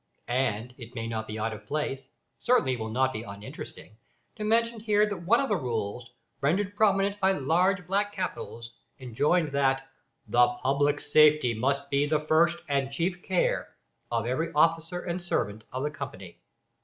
And it may not be out of place, certainly it will not be uninteresting, to mention here that one of the rules, rendered prominent by large black capitals, enjoined that "THE PUBLIC SAFETY MUST BE THE FIRST AND CHIEF CARE of every officer and servant of the company."